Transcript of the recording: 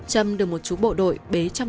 trâm được một chú bộ đội bế trăm